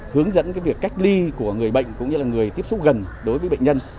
hướng dẫn việc cách ly của người bệnh cũng như là người tiếp xúc gần đối với bệnh nhân